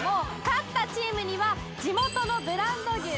勝ったチームには地元のブランド牛